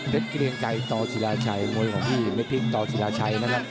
เล็กเกรียงใจตอชิราชัยมวยของพี่เล็กพี่ตอชิราชัยนั่นแหละ